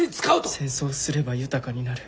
戦争すれば豊かになる。